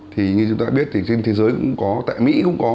thì như chúng ta biết thì trên thế giới cũng có tại mỹ cũng có